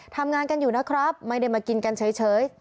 ทำงานกันอยู่นะครับไม่ได้มากินกันเฉย